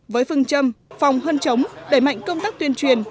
với phương châm phòng hơn chống đẩy mạnh công tác tuyên truyền